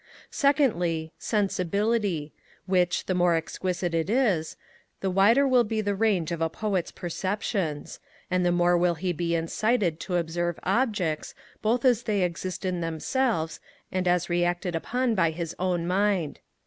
2ndly, Sensibility, which, the more exquisite it is, the wider will be the range of a poet's perceptions; and the more will he be incited to observe objects, both as they exist in themselves and as re acted upon by his own mind.